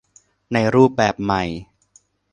ในรูปแบบใหม่